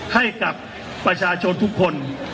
ให้กับประชาชนทุกคน